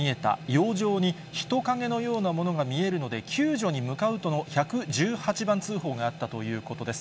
洋上に人影のようなものが見えるので、救助に向かうとの１１８番通報があったということです。